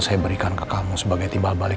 saya berikan ke kamu sebagai timbal balik